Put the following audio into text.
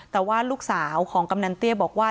แต่ว่าลูกสาวของกำนันเตี้ยบอกว่า